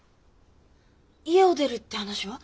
家を出るって話は？